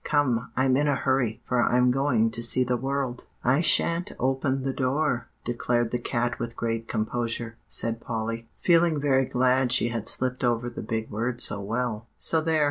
Come, I'm in a hurry, for I'm going to see the world.' "'I sha'n't open the door,' declared the cat with great composure," said Polly, feeling very glad she had slipped over the big word so well; "'so there!